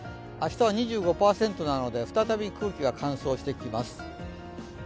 明日は２５％なので再び空気が乾燥してきます。